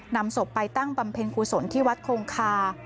นำศพไปตั้งบำเพ็ญกุศลที่วัดโคงคา